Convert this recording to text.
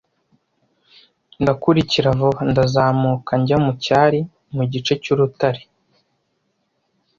Ndakurikira vuba, ndazamuka njya mucyari mu gice cyurutare.